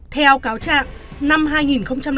theo cáo trạng